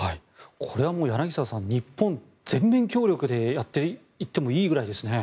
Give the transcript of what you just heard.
これはもう柳澤さん日本、全面協力でやっていってもいいぐらいですね。